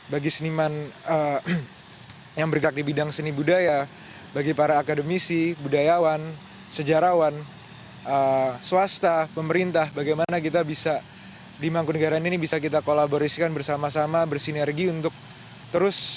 bagi seniman yang bergerak di bidang seni budaya bagi para akademisi budayawan sejarawan swasta pemerintah bagaimana kita bisa di mangkunegaran ini bisa kita kolaborasikan bersama sama bersinergi untuk terus